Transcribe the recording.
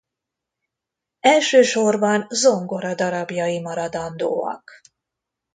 Elsősorban zongoradarabjai maradandóak.